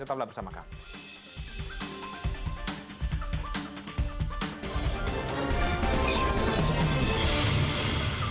tetap bersama kami